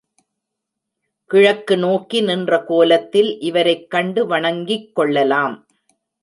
கிழக்கு நோக்கி நின்ற கோலத்தில் இவரைக் கண்டு வணங்கிக் கொள்ளலாம்.